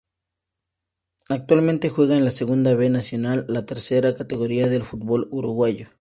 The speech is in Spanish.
Actualmente juega en la Segunda B Nacional, la tercera categoría del fútbol uruguayo.